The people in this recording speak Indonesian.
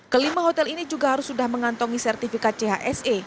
kelima hotel ini juga harus sudah mengantongi sertifikat chse